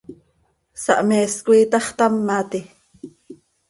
¿Sahmees coi itaxtámati?